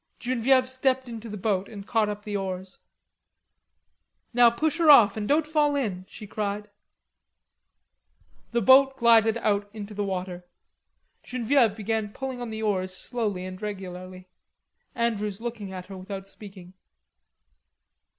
Genevieve stepped into the boat and caught up the oars. "Now push her off, and don't fall in," she cried. The boat glided out into the water. Genevieve began pulling on the oars slowly and regularly. Andrews looked at her without speaking.